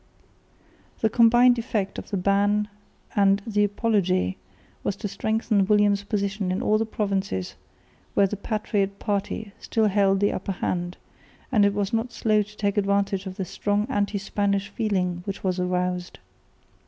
The combined effect of the Ban and the Apology was to strengthen William's position in all the provinces where the patriot party still held the upper hand; and he was not slow to take advantage of the strong anti Spanish feeling which was aroused.